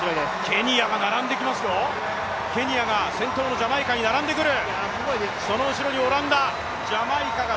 ケニアが並んできますよ、先頭のジャマイカに並んでくる。